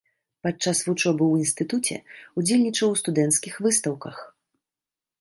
Падчас вучобы ў інстытуце ўдзельнічаў у студэнцкіх выстаўках.